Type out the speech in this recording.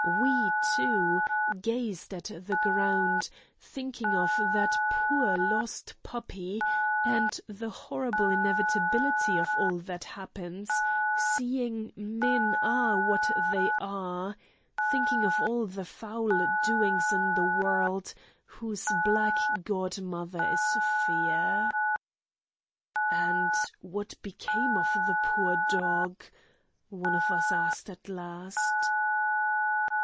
We, too, gazed at the ground, thinking of, that poor lost puppy, and the horrible inevitability of all that happens, seeing men are what they are; thinking of all the foul doings in the world, whose black godmother is Fear. "And what became of the poor dog?" one of us asked at last.